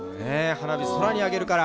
花火空にあげるから。